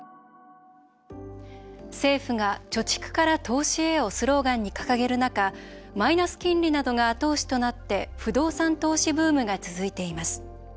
政府が「貯蓄から投資へ」をスローガンに掲げる中マイナス金利などが後押しとなって不動産投資ブームが続いています。